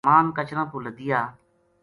ساما ن کچراں پو لدیا